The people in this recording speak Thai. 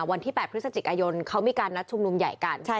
วันที่๘พฤศจิกายนเขามีการนัดชุมนุมใหญ่กัน